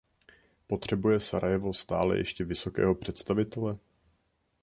Potřebuje Sarajevo stále ještě vysokého představitele?